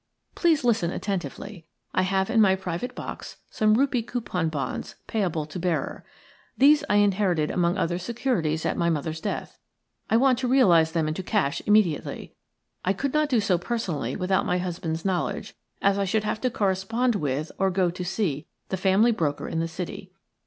"Please listen attentively. I have in my private box some rupee coupon bonds, payable to bearer. These I inherited among other securities at my mother's death. I want to realize them into cash immediately. I could not do so personally without my husband's knowledge, as I should have to correspond with, or go to see, the family broker in the City.